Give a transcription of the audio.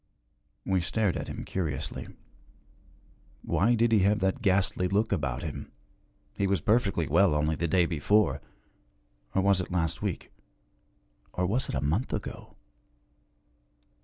We stared at him curiously. Why did he have that ghastly look about him? He was perfectly well only the day before or was it last week or was it a month ago?